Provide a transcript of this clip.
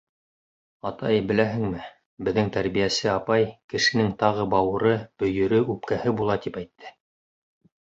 — Атай, беләһеңме, беҙҙең тәрбиәсе апай, кешенең тағы бауыры, бөйөрө, үпкәһе була, тип әйтте.